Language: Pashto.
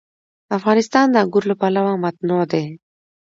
افغانستان د انګور له پلوه متنوع دی.